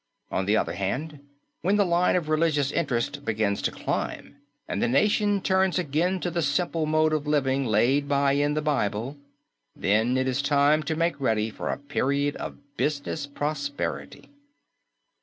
On the other hand, when the line of religious interest begins to climb and the nation turns again to the simple mode of living laid by in the Bible, then it is time to make ready for a period of business prosperity.